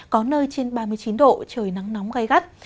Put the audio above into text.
có nơi trên ba mươi chín độ trời nắng nóng gai gắt